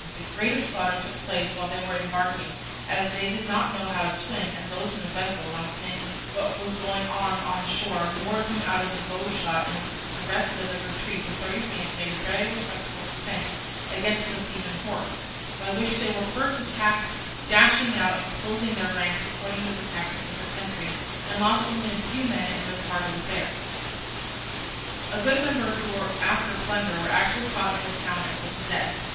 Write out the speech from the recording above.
The greatest slaughter took place while they were embarking, as they did not know how to swim, and those in the vessels on seeing what was going on on on shore moored them out of bowshot: in the rest of the retreat the Thracians made a very respectable defence against the Theban horse, by which they were first attacked, dashing out and closing their ranks according to the tactics of their country, and lost only a few men in that part of the affair. A good number who were after plunder were actually caught in the town and put to death.